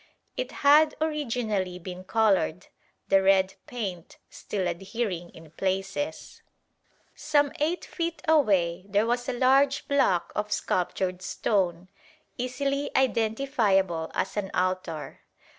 It had originally been coloured, the red paint still adhering in places. Some 8 feet away there was a large block of sculptured stone, easily identifiable as an altar.